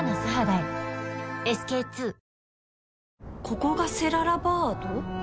ここがセララバアド？